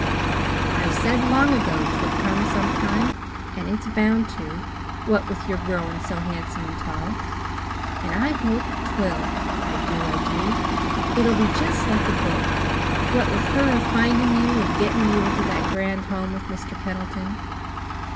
I said long ago 'twould come sometime, an' it's bound to what with your growin' so handsome and tall. An' I hope 'twill; I do, I do. It'll be just like a book, what with her a findin' you an' gettin' you into that grand home with Mr. Pendleton.